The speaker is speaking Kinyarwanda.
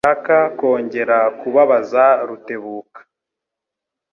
Sinshaka kongera kubabaza Rutebuka.